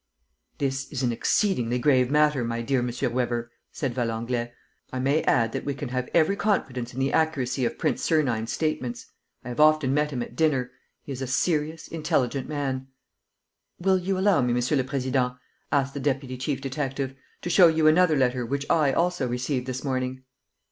"This is an exceedingly grave matter, my dear M. Weber," said Valenglay. "I may add that we can have every confidence in the accuracy of Prince Sernine's statements. I have often met him at dinner. He is a serious, intelligent man. ..." "Will you allow me, Monsieur le Président," asked the deputy chief detective, "to show you another letter which I also received this morning?"